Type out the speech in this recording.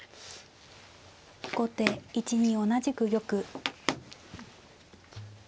後手１二同じく玉。